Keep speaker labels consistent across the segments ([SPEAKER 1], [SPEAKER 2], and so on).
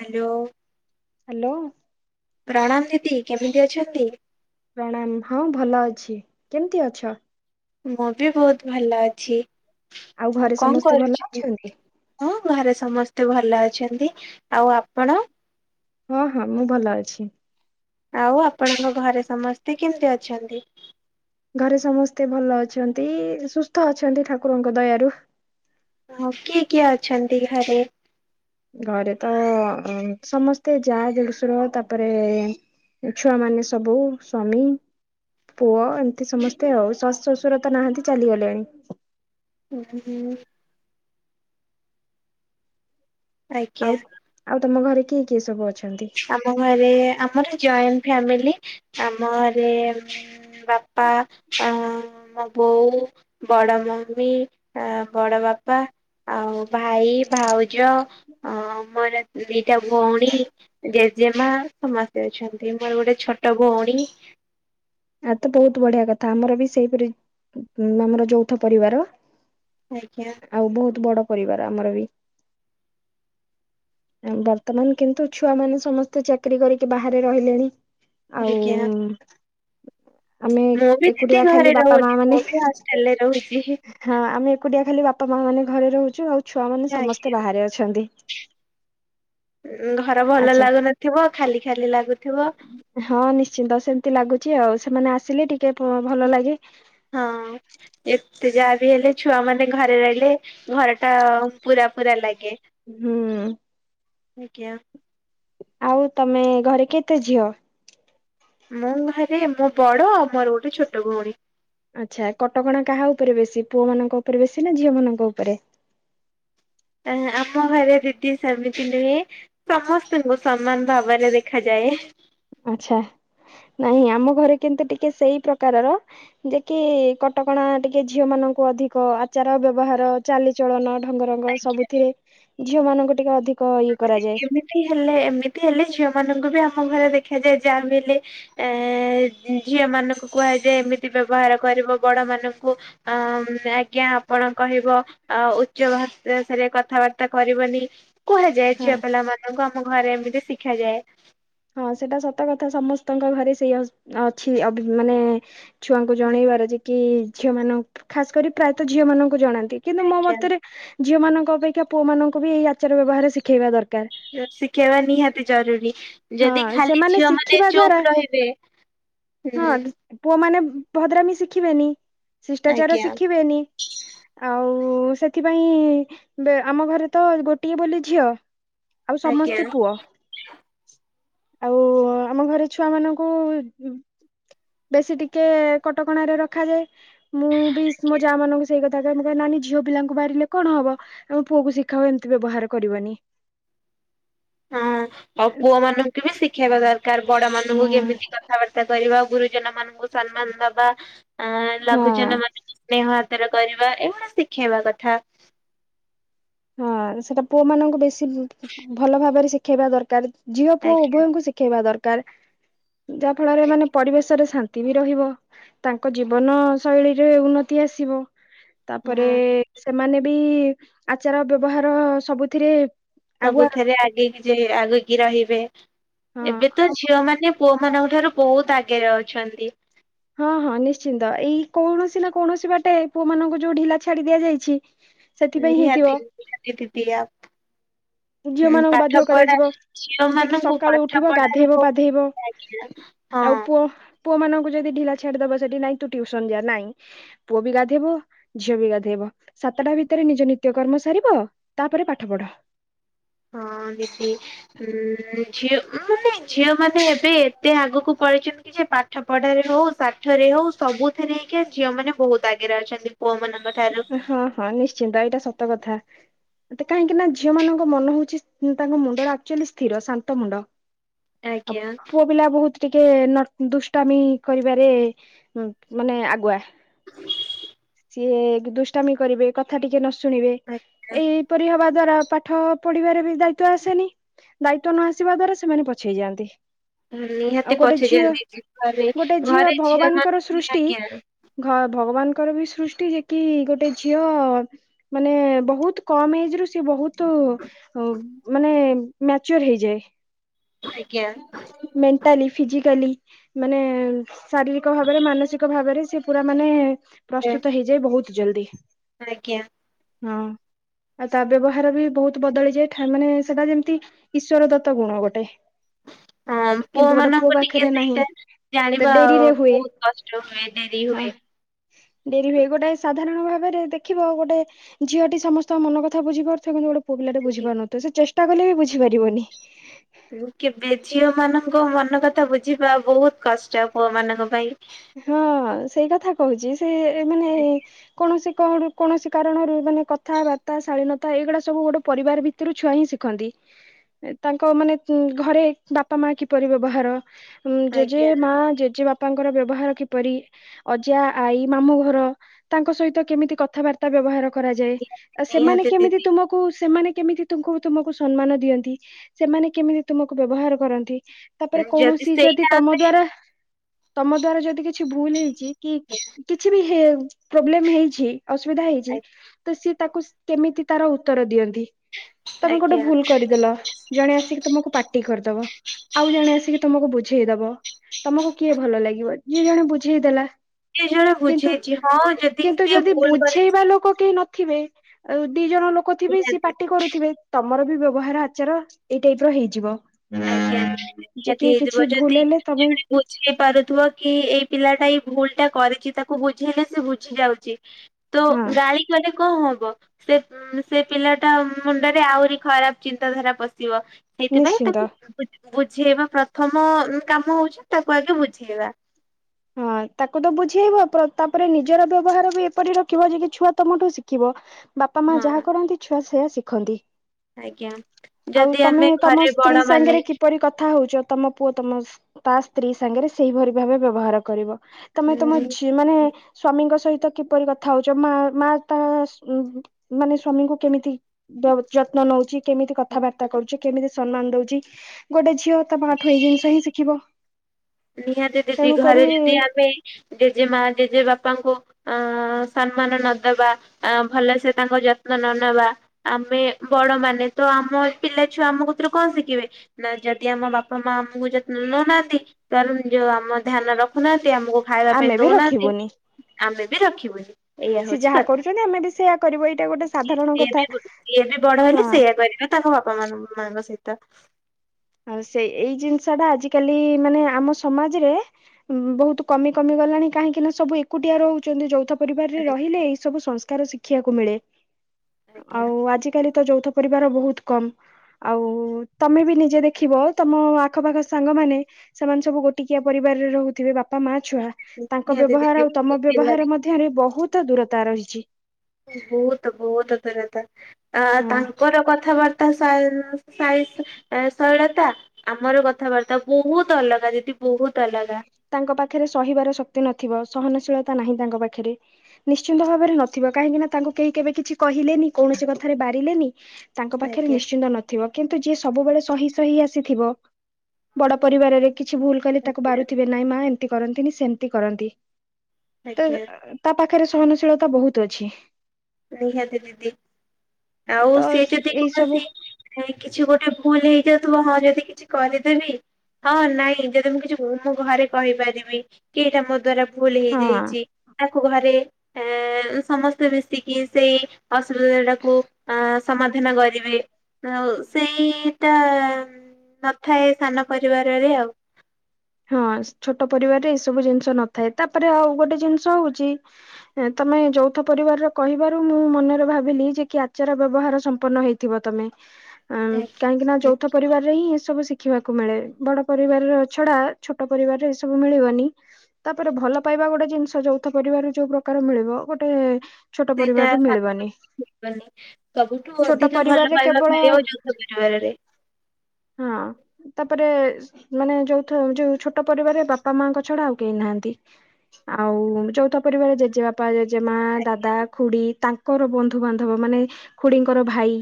[SPEAKER 1] Hello.
[SPEAKER 2] Hello.
[SPEAKER 1] ପ୍ରଣାମ ଦିଦି। କେମିତି ଅଛନ୍ତି?
[SPEAKER 2] ପ୍ରଣାମ। ହଁ ଭଲ ଅଛି। କେମିତି ଅଛ?
[SPEAKER 1] ମୁଁ ବି ବହୁତ ଭଲ ଅଛି। ଆଉ
[SPEAKER 2] ଘରେ
[SPEAKER 1] କଣ
[SPEAKER 2] ସମସ୍ତେ ଭଲ
[SPEAKER 1] କରୁଛନ୍ତି?
[SPEAKER 2] ଅଛନ୍ତି?
[SPEAKER 1] ହଁ ଘରେ ସମସ୍ତେ ଭଲ ଅଛନ୍ତି। ଆଉ ଆପଣ?
[SPEAKER 2] ହଁ ହଁ ମୁଁ ଭଲ ଅଛି।
[SPEAKER 1] ଆଉ ଆପଣଙ୍କ ଘରେ ସମସ୍ତେ କେମିତି ଅଛନ୍ତି?
[SPEAKER 2] ଘରେ ସମସ୍ତେ ଭଲ ଅଛନ୍ତି। ସୁସ୍ଥ ଅଛନ୍ତି ଠାକୁରଙ୍କ ଦୟାରୁ।
[SPEAKER 1] ଆଉ କିଏ କିଏ ଅଛନ୍ତି ଘରେ?
[SPEAKER 2] ଘରେ ତ ସମସ୍ତେ ଯା ଦେଡୁସୁର ତାପରେ ଛୁଆ ମାନେ ସବୁ ସ୍ଵାମୀ ପୁଅ ଏମତି ସମସ୍ତେ ଆଉ। ଶାଶୁ ଶ୍ୱଶୁର ତ ନାହାନ୍ତି ଚାଲିଗଲେଣି।
[SPEAKER 1] [unintelligible] ଆଜ୍ଞା।
[SPEAKER 2] ଆଉ ଆଉ ତମ ଘରେ କିଏ କିଏ ସବୁ ଅଛନ୍ତି?
[SPEAKER 1] ଆମ ଘରେ ଆମର ଜଏଣ୍ଟ ଫ୍ୟାମିଲି। ଆମ ଘରେ ବାପା ଆ ମୋ ବୋଉ ବଡ ମମି ଆ ବଡ ବାପା ଆଉ ଭାଇ, ଭାଉଜ ମୋର ଦିଟା ଭଉଣୀ ଜେଜେମା ସମସ୍ତେ ଅଛନ୍ତି। ମୋର ଗୋଟେ ଛୋଟ ଭଉଣୀ।
[SPEAKER 2] ଆ ତ ବହୁତ ବଢିଆ କଥା। ଆମର ବି ସେଇପରି ଆମର ଯୌଥ ପରିବାର।
[SPEAKER 1] ଆଜ୍ଞା।
[SPEAKER 2] ଆଉ ବହୁତ ବଡ ପରିବାର ଆମର ବି। ବର୍ତ୍ତମାନ କିନ୍ତୁ ଛୁଆ ମାନେ ସମସ୍ତେ ଚାକିରୀ କରିକି ବାହାରେ ରହିଲେଣି।
[SPEAKER 1] [unintelligible]
[SPEAKER 2] ହୁଁ ଆମେ
[SPEAKER 1] ମୁଁ ବି
[SPEAKER 2] ଏକୁଟିଆ
[SPEAKER 1] ଦିଦି ଘରେ
[SPEAKER 2] ଖାଲି ବାପା ମା
[SPEAKER 1] ରହୁନି
[SPEAKER 2] ମାନେ
[SPEAKER 1] ମୁଁ ବି ହଷ୍ଟେଲରେ ରହୁଛି
[SPEAKER 2] ହଁ ଆମେ ଏକୁଟିଆ ଖାଲି ବାପା ମା ମାନେ ଘରେ ରହୁଚୁ ଆଉ। ଛୁଆ ସମସ୍ତେ ବାହାରେ ଅଛନ୍ତି।
[SPEAKER 1] ଘର ଭଲ
[SPEAKER 2] ଆଚ୍ଛା
[SPEAKER 1] ଲାଗୁନଥିବ ଖାଲି ଖାଲି ଲାଗୁଥିବ।
[SPEAKER 2] ହଁ ନିଶ୍ଚିନ୍ତ ସେମିତି ଲାଗୁଚି ଆଉ। ସେମାନେ ଆସିଲେ ଟିକେ ଭଲ ଲାଗେ।
[SPEAKER 1] ହଁ। ଏତ୍ ଯାହା ବି ହେଲେ ଛୁଆ ମାନେ ଘରେ ରହିଲେ ଘର ଟା ପୁରା ପୁରା ଲାଗେ।
[SPEAKER 2] ହୁଁ।
[SPEAKER 1] ଆଜ୍ଞା।
[SPEAKER 2] ଆଉ ତମେ ଘରେ କେତେ ଝିଅ?
[SPEAKER 1] ମୁଁ ଘରେ ମୁଁ ବଡ ମୋର ଗୋଟେ ଛୋଟ ଭଉଣୀ।
[SPEAKER 2] ଆଚ୍ଛା। କଟକଣା କାହା ଉପରେ ବେଶୀ ପୁଅ ମାନଙ୍କ ଉପରେ ବେଶୀ ନା ଝିଅ ମଙ୍କ ଉପରେ?
[SPEAKER 1] ଆ ଆମ ଘରେ ଦିଦି ସେମିତି ନୁହେଁ। ସମସ୍ତିଙ୍କୁ ସମାନ ଭାବରେ ଦେଖାଯାଏ।
[SPEAKER 2] ଆଛା, ନାଇଁ ଆମ ଘରେ କିନ୍ତୁ ଟିକେ ସେଇ ପ୍ରକାରର। ଯେ କିି କଟକଣା ଟିକେ ଝିଅ ମାନଙ୍କୁ ଅଧିକ ଆଚାର, ବ୍ୟବହାର ଚାଲିଚଳନ, ଢଙ୍ଗରଙ୍ଗ ସବୁଥିରେ ଝିଅ ମାନଙ୍କୁ ଟିକେ ଅଧିକ ଇଏ କରାଯାଏ
[SPEAKER 1] ଏମିତି ହେଲେ ଏମିତି ହେଲେ ଝିଅମାନଙ୍କୁ ବି ଆମ ଘରେ ଦେଖାଯାଏ ଯାହା ବି ହେଲେ ଏ ଝିଅ ମାନଙ୍କୁ କୁହାଯାଏ ଏମିତି ବ୍ୟବହାର କରିବ ବଡମାନଙ୍କୁ। ଅ ଆଜ୍ଞା, ଆପଣ କହିବ। ଆ ଉଚ୍ଚ ଭାଷାରେ କଥାବାର୍ତ୍ତା କରିବନି। କୁହାଯାଏ
[SPEAKER 2] ହଁ
[SPEAKER 1] ଝିଅ ପିଲା ମାନଙ୍କୁ ଆମ ଘରେ ଏମିତି ଶିଖାଯାଏ।
[SPEAKER 2] ହଁ ସେଟା ସତ କଥା ସମସ୍ତଙ୍କ ଘରେ ସେଇ ଅଛି ଅଭି ମାନେ ଛୁଆଙ୍କୁ ଜଣେଇବାର ଯେ କି ଝିଅ ମାନଙ୍କୁ ଖାସ କରି ପ୍ରାୟତଃ ଝିଅମାନଙ୍କୁ ଜଣାନ୍ତି। କିନ୍ତୁ ମୋ
[SPEAKER 1] ଆଜ୍ଞା
[SPEAKER 2] ମତରେ ଝିଅମାନଙ୍କ ଅପେକ୍ଷା ପୁଅ ମାନଙ୍କୁ ବି ଏଇ ଆଚାର ବ୍ୟବହାର ଶିଖେଇବା ଦରକାର।
[SPEAKER 1] ଶିଖେଇବା ନିହାତି ଜରୁରୀ ଯଦି
[SPEAKER 2] ହଁ
[SPEAKER 1] ଖାଲି
[SPEAKER 2] ସେମାନେ
[SPEAKER 1] ଝିଅମାନେ
[SPEAKER 2] ଶିଖିବା ଦ୍ଵାରା
[SPEAKER 1] ଚୁପ ରହିବେ,
[SPEAKER 2] ହଁ
[SPEAKER 1] ହୁଁ
[SPEAKER 2] ପୁଅ ମାନେ ଭଦ୍ରାମୀ ଶିଖିବେନି, ଶିଷ୍ଟାଚାର
[SPEAKER 1] ଆଜ୍ଞା
[SPEAKER 2] ଶିଖିବେନି, ଆଉ ସେଥିପାଇଁ ଆମ ଘରେ ତ ଗୋଟିଏ ବୋଲି ଝିଅ, ଆଉ
[SPEAKER 1] ଆଜ୍ଞା।
[SPEAKER 2] ସମସ୍ତେ ପୁଅ। ଆଉ ଆମ ଘରେ ଛୁଆମାନଙ୍କୁ ବେଶୀ ଟିକେ କଟକଣାରେ ରଖାଯାଏ, ମୁଁ ବି ମୋ ଯା ମାନଙ୍କୁ ସେଇ କଥା ତାଦିହରେ ନାନୀ ଝିଅ ପିଲାଙ୍କୁ ବାରିଲେ କଣ ହବ, ଆମେ ପୁଅକୁ ଶିଖା ହବ ଏମିତି ବ୍ୟବହାର କରିବନି।
[SPEAKER 1] ହଁ ଆଉ
[SPEAKER 2] ହଁ
[SPEAKER 1] ପୁଅମାନଙ୍କୁ ବି ଶିଖେଇବା ଦରକାର, ବଡମାନଙ୍କୁ କେମିତି କଥାବାର୍ତ୍ତା କରିବା ଗୁରୁ ଜନମାନଙ୍କୁ ସମ୍ମାନ ଦବା, ଆ
[SPEAKER 2] ହଁ
[SPEAKER 1] ଲଘୁଜନ ମାନଙ୍କୁ ସ୍ନେହ ହାତରେ କରିବା ଏଇଭଳି ଶିଖେଇବା କଥା।
[SPEAKER 2] ହଁ ସେଟା ପୁଅମାନଙ୍କୁ ବେଶୀ ଭଲ ଭାବରେ ଶିଖେଇବା ଦରକାର। ଝିଅ ପୁଅ ଉଭୟଙ୍କୁ ଶିଖେଇବା ଦରକାର ଯାହା ଫଳରେ ମାନେ ପରିବେଶରେ ଶାନ୍ତି, ବି ରହିବ ତାଙ୍କ ଜୀବନ ଶୈଳୀରେ ଉନ୍ନତି ଆସିବ ତାପରେ
[SPEAKER 1] ହଁ
[SPEAKER 2] ସେମାନେ ବି ଆଚାର ବ୍ୟବହାର ସବୁଥିରେ, ଆଗୁଆ
[SPEAKER 1] ସବୁଥିରେ
[SPEAKER 2] ରଖନ୍ତି
[SPEAKER 1] ଆଗେଇି ଯାଇ ଆଗକି ରହିବେ
[SPEAKER 2] ହଁ
[SPEAKER 1] ଏବେ ତ
[SPEAKER 2] ଆଉ
[SPEAKER 1] ଝିଅମାନେ ପୁଅମାନେ ମାନଙ୍କ ଠାରୁ ବହୁତ ଆଗରେ ଅଛନ୍ତି।
[SPEAKER 2] ହଁ ହଁ, ନିଶ୍ଚିନ୍ତ ଏଇ କୌଣସି ନା କୌଣସି ବାଟେ ପୁଅ ମାନଙ୍କୁ ଯୋଉ ଢିଲା ଛାଡି ଦିଆଯାଇଛି। [inaudible] ହେଇଥିବ
[SPEAKER 1] ନିହାତି [unintelligible] ହଁ
[SPEAKER 2] ଝିଅ ମାନଙ୍କୁ ବାଧ୍ୟ
[SPEAKER 1] ପାଠପଢା
[SPEAKER 2] କରାଯିବ
[SPEAKER 1] ଝିଅ
[SPEAKER 2] ଯେ କି
[SPEAKER 1] ମାନଙ୍କୁ
[SPEAKER 2] ସକାଳୁ
[SPEAKER 1] ପାଠ
[SPEAKER 2] ଉଠିବ
[SPEAKER 1] ପଢାରେ
[SPEAKER 2] ଗାଧେଇବ ପାଧେଇବ
[SPEAKER 1] ବହୁତ [unintelligible]
[SPEAKER 2] ଆଉ ପୁଅ ପୁଅ ମାନଙ୍କୁ ଯଦି ଢିଲା ଛାଡିଦବା ସେଠି ନାଇଁ ଟିଉସନ ଯା ନାଇଁ ପୁଅ ବି ଗାଧେଇବ, ଝିଅ ବି ଗାଧେଇବ ସାତଟା ଭିତରେ ନିଜ ନିତ୍ୟ କର୍ମ ସାରିବ, ତାପରେ ପାଠପଢ଼ା।
[SPEAKER 1] ହଁ, ଦିଦି। ହୁଁ ଝିଅ ମାନେ ଝିଅ ମାନେ ହେବେ ଏତେ ଆଗକୁ ପଳେଇଛନ୍ତି ଯେ ପାଠ ପଢାରେ ହଉ, ସାଠରେ ହଉ ସବୁଥିରେ ହେଇକ ଝିଅ ମାନେ ବହୁତ ଆଗରେ ଅଛନ୍ତି ପୁଅ ମାନଙ୍କୁ
[SPEAKER 2] ହଁ ହଁ, ନିଶ୍ଚିନ୍ତ ଏଇଟା ସତ କଥା। କାହିଁକି ନା ଝିଅ ମାନଙ୍କ ମନ ହଉଛି ତାଙ୍କ ମୁଣ୍ଡଟା ଆକ୍ଚୁଆଲି ସ୍ଥିର, ଶାନ୍ତ ମୁଣ୍ଡ ଆଉ,
[SPEAKER 1] ଆଜ୍ଞା
[SPEAKER 2] ପୁଅ ପିଲା ବହୁତ ଟିକେ ନ ଦୁଷ୍ଟାମି କରିବାରେ ମାନେ ଆଗୁଆ। ଟିକେ ଦୁଷ୍ଟାମି କରିବେ କଥା ଟିକେ ନ ଶୁଣିବେ ଏଇପରି ହବା ଦ୍ଵାରା ପା ପାଠ ପଢିବାରେ ବି ଦାୟୀତ୍ୱ ଆସେନି, ଦାୟୀତ୍ୱ ନ ଆସିବାଦ୍ଵାରା ସେମାନେ ପଛେଇଯାଆନ୍ତି। ଆଉ
[SPEAKER 1] ନିହାତି
[SPEAKER 2] ଗୋଟେ
[SPEAKER 1] ପଛେ
[SPEAKER 2] ଝିଅ,
[SPEAKER 1] ଯାଆନ୍ତି ଘରେ
[SPEAKER 2] ଗୋଟେ ଝିଅ
[SPEAKER 1] ଘରେ
[SPEAKER 2] ଭଗବାନଙ୍କର
[SPEAKER 1] ମାନେ
[SPEAKER 2] ସୃଷ୍ଟି।
[SPEAKER 1] ଆଜ୍ଞା
[SPEAKER 2] ଘ ଭଗବାନଙ୍କର ବି ସୃଷ୍ଟି ଯେକି ଗୋଟେ ଝିଅ। ମାନେ ବହୁତ୍ କମ ଏଜ୍ ରୁ ସେ ବହୁତ୍ ମାନେ ମ୍ୟାଚର ହେଇଯାଏ
[SPEAKER 1] ଆଜ୍ଞା
[SPEAKER 2] ମେଣ୍ଟାଲି ଫିଜିକାଲି ମାନେ ଶାରୀରିକ ଭାବରେ ମାନସିକ ଭାବରେ ସେ ପୁରା ମାନେ ପ୍ରସ୍ତୁତ ହେଇଯାଏ ବହୁତ ଜଲଦି
[SPEAKER 1] ଆଜ୍ଞା
[SPEAKER 2] ହଁ ଆଉ ତା ବ୍ୟବହାର ବି ବହୁତ ବଦଳି ଯାଇଥାଏ ମାନେ ସେଟା ଯେମିତି ଈଶ୍ଵର ଦତ ଗୁଣ ଗୋଟେ
[SPEAKER 1] ହଁ
[SPEAKER 2] କିନ୍ତୁ
[SPEAKER 1] ପୁଅ
[SPEAKER 2] ଗୋଟେ
[SPEAKER 1] ମାନଙ୍କୁ
[SPEAKER 2] ପାଖରେ
[SPEAKER 1] ଟିକେ
[SPEAKER 2] ନାହିଁ
[SPEAKER 1] ସେଇଟା
[SPEAKER 2] ତ
[SPEAKER 1] ଜାଣିବା ଆଉ
[SPEAKER 2] ଡେରିରେ ହୁଏ
[SPEAKER 1] ବହୁତ୍ କଷ୍ଟ ହୁଏ ଡେରି
[SPEAKER 2] ହଁ
[SPEAKER 1] ହୁଏ
[SPEAKER 2] ଡେରି ହୁଏ ଗୋଟେ ସାଧାରଣ ଭାବରେ ଦେଖିବ ଗୋଟେ ଝିଅଟି ସମସ୍ତଙ୍କ ମନ କଥା ବୁଝିପାରୁଥିବ କିନ୍ତୁ ଗୋଟେ ପୁଅ ପିଲାଟେ ବୁଝି ପାରୁନଥିବ ସେ ଚେଷ୍ଟା କଲେ ବି ବୁଝି ପାରିବନି
[SPEAKER 1] କେବେ ଝିଅ ମାନଙ୍କ ମନ କଥା ବୁଝିବା ବହୁତ କଷ୍ଟ ପୁଅ ମାନଙ୍କ ପାଇଁ
[SPEAKER 2] ହଁ ସେଇ କଥା କହୁଛି ସେ ମାନେ କୌଣସି କଣ କୌଣସି କାରଣରୁ ମାନେ କଥାବାର୍ତ୍ତା ଶାଳୀନତା ଏଇଗୁଡା ସବୁ ଗୋଟେ ପରିବାର ଭିତ ସେଥିରୁ ଛୁଆ ହିଁ ଶିଖନ୍ତି ତାଙ୍କ ମାନେ ଘରେ ବାପା ମା କିପରି ବ୍ୟବହାର ଜେଜେ
[SPEAKER 1] ଆଜ୍ଞା।
[SPEAKER 2] ମା ଜେଜେ ବାପାଙ୍କର ବ୍ୟବ ବ୍ୟବହାର କିପରି ଅଜା ଆଈ ମାମୁ ଘର ତାଙ୍କ ସହିତ କେମତି କଥାବାର୍ତ୍ତା ବ୍ୟବହାର କରାଯାଏ
[SPEAKER 1] ନିହାତି
[SPEAKER 2] ଆ ସେମାନେ
[SPEAKER 1] ନିହାତି
[SPEAKER 2] କେମିତି
[SPEAKER 1] ଦିଦି
[SPEAKER 2] ତୁମକୁ ସେମାନେ କେମିତି ତମକୁ ତୁମକୁ ସମ୍ମାନ ଦିଅନ୍ତି ସେମାନେ କେମିତି ତୁମକୁ ବ୍ୟବହାର କରନ୍ତି ତାପରେ କୌଣସି ଯଦି ତମ ଦ୍ଵାରା ତମ ଦ୍ଵାରା ଯଦି କିଛି ଭୁଲ ହେଇଛି କି
[SPEAKER 1] ଆମେ-
[SPEAKER 2] କିଛି ବି ହେ ପ୍ରୋବ୍ଲେମ ହେଇଛି ଅସୁବିଧା ହେଇଛି ତ ସିଏ ତାକୁ କେମିତି ତାର ଉତ୍ତର ଦିଅନ୍ତି ତମେ ଗୋଟେ
[SPEAKER 1] ଆଜ୍ଞା
[SPEAKER 2] ଭୁଲ କରିଦେଲ ଜଣେ ଆସିକି ତମକୁ ପାଟି କରିଦବ ଆଉ ଜଣେ ଆସିକି ତମକୁ ବୁଝେଇଦବ ତମକୁ କିଏ ଭଲ ଲାଗିବ ଯିଏ ଜଣେ ବୁଝେଇଦେଲା
[SPEAKER 1] ସେ ଜଣେ
[SPEAKER 2] କିନ୍ତୁ
[SPEAKER 1] ବୁଝେଇଛି ହଁ
[SPEAKER 2] କିନ୍ତୁ
[SPEAKER 1] ସିଏ
[SPEAKER 2] ଯଦି
[SPEAKER 1] ଭୁଲ କରିଛି
[SPEAKER 2] ବୁଝେଇବା ଲୋକ କେହି ନଥିବେ ଆଉ ଦି ଜଣ ଲୋକ ଥିବେ ସିଏ
[SPEAKER 1] ନିହାତି
[SPEAKER 2] ପାଟି କରୁଥିବେ ତମର ବି ବ୍ୟବହାର ଆଚାର ଏଇ ଟାଇପ ର ହେଇଯିବ
[SPEAKER 1] ଆଜ୍ଞା ନିହାତି
[SPEAKER 2] ଯେ
[SPEAKER 1] ନିଶ୍ଚିତ
[SPEAKER 2] କି
[SPEAKER 1] ହେଇଯିବ
[SPEAKER 2] କିଛି ଭୁଲ ହେଲେ ତମେ
[SPEAKER 1] ଯଦି ବୁଝେଇ ପାରୁଥିବ କି ଏଇ ପିଲା ଟା ଏଇ ଭୁଲ ଟା କରିଛି ତାକୁ ବୁଝେଇଲେ ସେ ବୁଝି ଯାଉଛି ତ
[SPEAKER 2] ହଁ
[SPEAKER 1] ଗାଳି କଲେ କଣ ହବ ସେ ସେ ପିଲାଟା ମୁଣ୍ଡରେ ଆହୁରି ଖରାପ ଚିନ୍ତାଧାରା ପଶିବ ସେଇଥିପାଇଁ
[SPEAKER 2] ନିଶ୍ଚିନ୍ତ।
[SPEAKER 1] ତାକୁ ବୁଝେଇବା ପ୍ରଥମ କାମ ହଉଛି ତାକୁ ଆଗେ ବୁଝେଇବା
[SPEAKER 2] ହଁ ତାକୁ ତ ବୁଝେଇବ ତାପରେ ନିଜର ବ୍ୟବହାର ବି ଏପରି ରଖିବ ଯେ କି ଛୁଆ ତମଠୁ ଶିଖିବ ବାପା ମା
[SPEAKER 1] ହଁ
[SPEAKER 2] ଯାହା କରନ୍ତି ଛୁଆ ସେୟା ଶିଖନ୍ତି
[SPEAKER 1] ଆଜ୍ଞା
[SPEAKER 2] ଆଉ
[SPEAKER 1] ଯଦି
[SPEAKER 2] ତମେ
[SPEAKER 1] ଆମେ
[SPEAKER 2] ତମ
[SPEAKER 1] ଘରେ ବଡ
[SPEAKER 2] ସ୍ତ୍ରୀ
[SPEAKER 1] ମାନେ
[SPEAKER 2] ସାଙ୍ଗରେ କିପରି କଥା ହଉଛ ତମ ପୁଅ ତମ ତା ସ୍ତ୍ରୀ ସାଙ୍ଗରେ ସେଇ ପରି ଭାବେ ବ୍ୟବହାର କରିବ। ତମେ ତମ
[SPEAKER 1] ହୁଁ
[SPEAKER 2] ଝି ମାନେ ସ୍ଵାମୀଙ୍କ ସହିତ କିପରି କଥା ହଉଛ ମା ମା ତା ମାନେ ସ୍ଵାମୀଙ୍କୁ କେମିତି ଯତ୍ନ ନଉଛି କେମିତି କଥାବାର୍ତ୍ତା କରୁଛି କେମିତି ସମ୍ମାନ ଦଉଛି ଗୋଟେ ଝିଅ ତା ମା ଠୁ ଏଇ ଜିନିଷ ହିଁ ଶିଖିବ
[SPEAKER 1] ନିହାତି ଦିଦି ଘରେ
[SPEAKER 2] ତେଣୁକରି
[SPEAKER 1] ଯଦି ଆମେ ଜେଜେ ମା ଜେଜେ ବାପାଙ୍କୁ ଅ ସମ୍ମାନ ନଦବା ଭଲସେ ତାଙ୍କ ଯତ୍ନ ନ ନେବା ଆମେ ବଡ ମାନେ ତ ଆମ ପିଲା ଛୁଆ ଆମ କତରୁ କଣ ଶିଖିବେ। ନା ଯଦି ଆମ ବାପା ମା ଆମକୁ ଯତ୍ନ ନଉନାହାନ୍ତି ତ ଯୋଉ ଆମ ଧ୍ୟାନ ରଖୁନାହାନ୍ତି, ଆମକୁ ଖାଇବା ପାଇଁ
[SPEAKER 2] ଆମେ ବି
[SPEAKER 1] ଦଉନାହାନ୍ତି।
[SPEAKER 2] ରଖିବୁନି
[SPEAKER 1] ଆମେ ବି ରଖିବୁନି, ଏଇଆ
[SPEAKER 2] ସେ
[SPEAKER 1] ହଉଚି
[SPEAKER 2] ଯାହା
[SPEAKER 1] କଥା।
[SPEAKER 2] କରୁଛନ୍ତି ଆମେ ବି ସେଇୟା କରିବୁ ଏଇଟା ଗୋଟେ ସାଧାରଣ କଥା
[SPEAKER 1] ଇଏ ବି ବଡ ହେଲେ
[SPEAKER 2] ହଁ
[SPEAKER 1] ସେଇଆ କରିବେ, ତାଙ୍କ ବାପା ମା ମାନଙ୍କ ସହିତ।
[SPEAKER 2] ଆଉ ସେଇ, ଏଇ ଜିନିଷ ଟା ଆଜିିକାଲି ମାନେ ଆମ ସମାଜରେ ବହୁତ କମି କମି ଗଲାଣି, କାହିଁକି ନା ସବୁ ଏକୁଟିଆ ରହୁଚନ୍ତି ଯଉଥ ପରିବାରରେ ରହିଲେ, ଏଇ ସବୁ ସଂସ୍କାର ଶିଖିବାକୁ ମିଳେ।
[SPEAKER 1] ଆଜ୍ଞା
[SPEAKER 2] ଆଉ ଆଜି ଆଜିକାଲିତ ଯୌଥ ପରିବାର ବହୁତ କମ୍। ଆଉ ତମେ ବି ନିଜେ ଦେ ଦେଖିବ ତମ ଆଖପାଖ ସାଙ୍ଗମାନେ, ସେମାନେ ସବୁ ଗୋଟିକିଆ ପରିବାରରେ ରହୁଥିବେ ବାପା ମା ଛୁଆ। ତାଙ୍କ
[SPEAKER 1] ନିହାତି ଦିଦି
[SPEAKER 2] ବ୍ୟବହାର ଆଉ ତମ ବ୍ୟବହାର ମଧ୍ୟରେ ବହୁତ ଦୂରତା ରହିଛି।
[SPEAKER 1] ବହୁତ ବହୁତ ଦୂରତା, ଆ
[SPEAKER 2] ହଁ
[SPEAKER 1] ତାଙ୍କର କଥାବାର୍ ସାଇ ସାଇ ଶୈଳତା ଆମର କଥାବାର୍ତ୍ତା, ବହୁତ ଅଲଗା ଦିଦି, ବହୁତ ଅଲଗା।
[SPEAKER 2] ତାଙ୍କ ପାଖରେ ସହିବାର ଶକ୍ତି ନଥିବ, ସହନଶୀଳତା ନାହିଁ ତାଙ୍କ ପାଖରେ। ନିଶ୍ଚିନ୍ତ ଭାବରେ ନଥିବ, କାହିଁକି ନା ତାଙ୍କୁ କେହି କେବେ କିଛି କହିଲେନି, କୌଣସି କଥାରେ ବାରିଲେନି ତାଙ୍କ ପାଖରେ
[SPEAKER 1] ଆଜ୍ଞା
[SPEAKER 2] ନିଶ୍ଚିନ୍ତ ନଥିବ କିନ୍ତୁ ଯିଏ ସବୁବେଳେ ସହି ସହି ଆସିଥିବ ବଡ ପରିବାରରେ କିଛି ଭୁଲ କଲେ ତାକୁ ବାରୁ ମା ଏମିତି କରନ୍ତିନି, ସେମିତି କରନ୍ତି, ତ
[SPEAKER 1] ଆଜ୍ଞା
[SPEAKER 2] ତା ପାଖରେ ସହନଶୀଳତା ବହୁତ ଅଛି।
[SPEAKER 1] ନିହାତି ଦିଦି ଆଉ
[SPEAKER 2] ତ
[SPEAKER 1] ସିଏ ଯଦି
[SPEAKER 2] ଏଇ ସବୁ
[SPEAKER 1] କୌଣସିି କିଛି ଗୋଟେ ଭୁଲ ହେଇଯାଉଥିବ, ହଁ ଯଦି କିଛି କରିଦେବି ହଁ ନାଇଁ ଯଦି ମୁଁ କିଛି ଭୁ, ମୁଁ ଘରେ କହିପାରିବି କି ଏଇଟା ମୋ ଦ୍ଵାରା ଭୁଲ
[SPEAKER 2] ହଁ
[SPEAKER 1] ହେଇଯାଇଚି, ତାକୁ ଘରେ ଆ ସମସ୍ତେ ମିଶି ଶିକିି ସେଇ ଅସୁବିଧା ଟାକୁ ଅ ସମାଧାନ କରିବେ। ଆଉ ସେଇଟା ନଥାଏ ସାନ ପରିବାରରେ ଆଉ।
[SPEAKER 2] ହଁ, ଛୋଟ ପରିବାରରେ ଏଇସବୁ ଜିନିଷ ନଥାଏ। ତାପରେ ଆଉ ଗୋଟେ ଜିନିଷ ହଉଚି ତମେ ଯୌଥ ପରିବାର ର କହିବାରୁ ମୁଁ ମନରେ ଭାବିଲି ଯେ କି, ଆଚାର ବ୍ୟବହାର ସମ୍ପୂର୍ଣ ହେଇଥିବ ତମେ। [unintelligible] ଅ କାହିଁକି ନା ଯୌଥ ପରିବାରରେ ହିଁ ଏ ସବୁ ଶିଖିବାକୁ ମିଳେ, ବଡ ପରିବାରର ଛଡା ଛୋଟ ପରିବାରରେ ଏସବୁ ମିଳିବନି। ତାପରେ ଭଲ ପାଇବା ଗୋଟେ ଜିନିଷ ଯୋଥ ପରିବାରରୁ ଯୋଉ ପ୍ରକାର ମିଳିବ, ଗୋଟେ ଛୋଟ ପରିବାରରୁ ମିଳିବନି।
[SPEAKER 1] ମିଳିବନି, ସବୁଠୁ
[SPEAKER 2] ଛୋଟ
[SPEAKER 1] ଅଧିକ ଭଲ
[SPEAKER 2] ପରିବାରରେ
[SPEAKER 1] ପାଇବା
[SPEAKER 2] କେବଳ
[SPEAKER 1] ମିଳିବ ଯୌଥ ପରିବାରରେ।
[SPEAKER 2] ହଁ, ତାପରେ ମାନେ ଯୌଥ ଯୋଉ ଛୋଟ ପରିବାରରେ ବାପା ମାଙ୍କ ଛଡା ଆଉ କେହି ନାହାନ୍ତି। ଆଉ ଯୋଉଥ ପରିବାର ଜେଜେ ବାପା ଜେ ଜେ ମା, ଦାଦା, ଖୁଡି, ତାଙ୍କର ବନ୍ଧୁ ବାନ୍ଧବ ମାନେ ଖୁଡିଙ୍କର ଭାଇ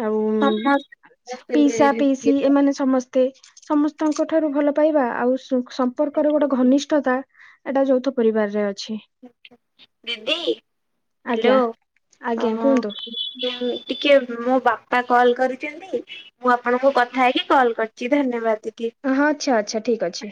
[SPEAKER 2] ଆଉ
[SPEAKER 1] ସମସ୍ତେ ସମସ୍ତେ
[SPEAKER 2] ପିସା
[SPEAKER 1] ମିଳିମିଶି
[SPEAKER 2] ପିସି ଏମାନେ ସମସ୍ତ ତେ, ସମସ୍ତଙ୍କ ଠାରୁ ଭଲ ପାଇବା ଆଉ ସମ୍ପର୍କରେ ଗୋଟେ ଘନିଷ୍ଠତା ଏଇଟା ଯୌଥ ପରିବାରରେ ଅଛି।
[SPEAKER 1] ହାଲୋ
[SPEAKER 2] ଆଜ୍ଞା ଆଜ୍ଞା କୁହନ୍ତୁ
[SPEAKER 1] କହ? ଟିକେ ରୁହ ବାପା କଲ୍ କରିଚନ୍ତି ମୁଁ ଆପଣଙ୍କୁ କଥା ହେଇକି କଲ୍ କରିଚି, ଧନ୍ୟବାଦ ଦିଦି।
[SPEAKER 2] ହଁ ଆଚ୍ଛା ଆଚ୍ଛା ଠିକ ଅଛି।